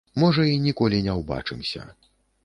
Можа, й ніколі не ўбачымся.